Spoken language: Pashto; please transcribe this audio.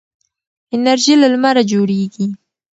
انرژي له لمره جوړیږي.